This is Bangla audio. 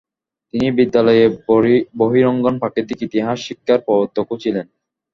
তিনি বিদ্যালয়ে বহিরঙ্গন প্রাকৃতিক ইতিহাস শিক্ষার প্রবর্তকও ছিলেন।